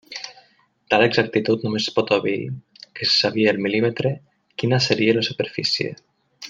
Tal exactitud només pot obeir que se sabia al mil·límetre quina seria la superfície.